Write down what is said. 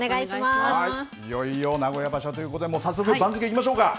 いよいよ名古屋場所ということで早速、番付いきましょうか。